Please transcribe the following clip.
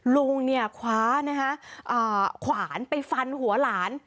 ลุงเนี่ยคว้านะคะขวานไปฟันหัวหลาน